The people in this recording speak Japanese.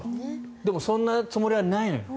でも、そんなつもりはないのよ。